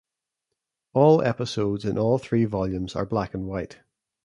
All episodes in all three volumes are black and white.